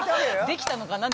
できたのかな？